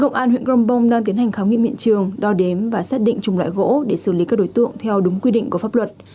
cộng an huyện grombong đang tiến hành khám nghiệm hiện trường đo đếm và xác định trùng lợi gỗ để xử lý các đối tượng theo đúng quy định của pháp luật